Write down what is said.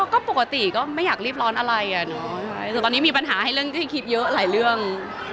ก็ปกติก็ไม่อยากรีบร้อนอะไรแต่ตอนนี้มีปัญหาให้คิดเยอะหลายเรื่อง